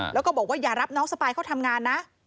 แล้วก็บอกว่าอย่ารับน้องสปายเข้าทำงานนะ